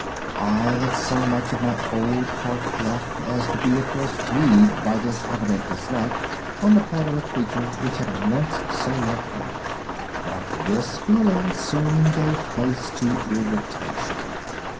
I had so much of my old heart left, as to be at first grieved by this evident dislike on the part of a creature which had once so loved me. But this feeling soon gave place to irritation.